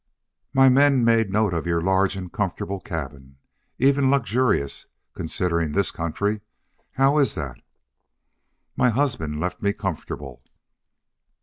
"My men made note of your large and comfortable cabin, even luxurious, considering this country. How is that?" "My husband left me comfortable."